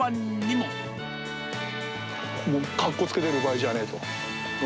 もう、カッコつけてる場合じゃねえ！と。